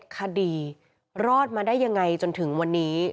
คดีรอดมาได้ยังไงจนถึงวันนี้